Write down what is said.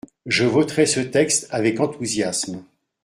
Je voterai ce texte avec enthousiasme.